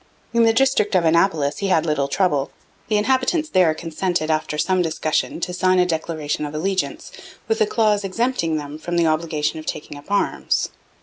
In the district of Annapolis he had little trouble. The inhabitants there consented, after some discussion, to sign a declaration of allegiance, with a clause exempting them from the obligation of taking up arms.